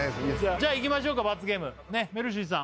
じゃあいきましょうか罰ゲームめるしさん